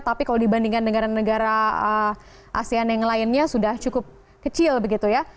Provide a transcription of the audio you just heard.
tapi kalau dibandingkan negara negara asean yang lainnya sudah cukup kecil begitu ya